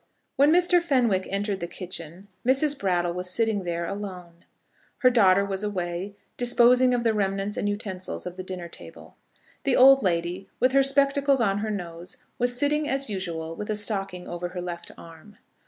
When Mr. Fenwick entered the kitchen, Mrs. Brattle was sitting there alone. Her daughter was away, disposing of the remnants and utensils of the dinner table. The old lady, with her spectacles on her nose, was sitting as usual with a stocking over her left arm.